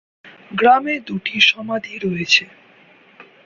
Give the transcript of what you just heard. গ্রামে দুটি সমাধি রয়েছে।